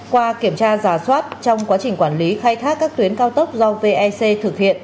qua kiểm tra giả soát trong quá trình quản lý khai thác các tuyến cao tốc do vec thực hiện